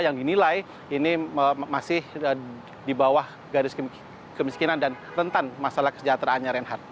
dan di kondisi ini kemungkinan pemerintahan pemerintahan itu masih di bawah garis kemiskinan dan rentan masalah kesejahteraannya